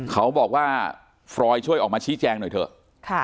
เขาบอกว่าฟรอยช่วยออกมาชี้แจงหน่อยเถอะ